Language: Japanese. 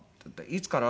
「いつから？」